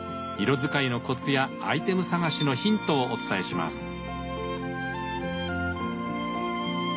色使いのコツやアイテム探しのヒントをお伝えします。